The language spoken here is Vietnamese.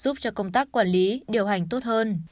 giúp cho công tác quản lý điều hành tốt hơn